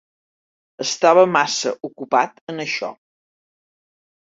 Estava massa ocupat en això.